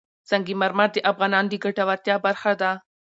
سنگ مرمر د افغانانو د ګټورتیا برخه ده.